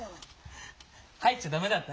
入っちゃダメだった？